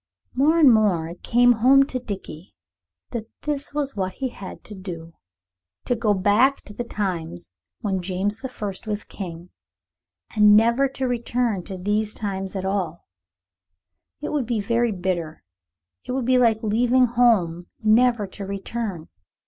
More and more it came home to Dickie that this was what he had to do. To go back to the times when James the First was King, and never to return to these times at all. It would be very bitter it would be like leaving home never to return.